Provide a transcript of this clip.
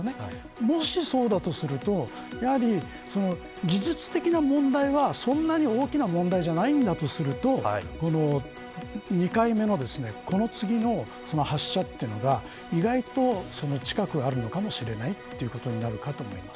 もしそうだとすると、やはり技術的な問題はそんなに大きな問題じゃないんだとすると２回目のこの次の発射というのが意外と近くあるのかもしれないということになるかと思います。